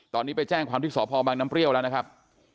ตอนนี้ไปแจ้งความที่สพบังน้ำเปรี้ยวแล้วนะครับ